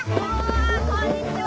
こんにちは！